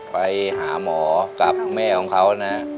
ไปหาหมอกับแม่ของเขานะ